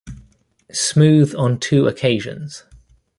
Smooth on two occasions.